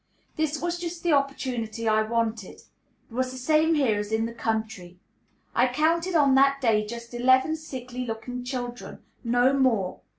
This was just the opportunity I wanted. It was the same here as in the country. I counted on that day just eleven sickly looking children; no more!